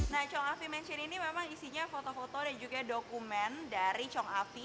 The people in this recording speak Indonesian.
nah chong afi mention ini memang isinya foto foto dan juga dokumen dari chong afi